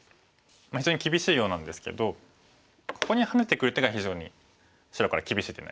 非常に厳しいようなんですけどここにハネてくる手が非常に白から厳しい手になります。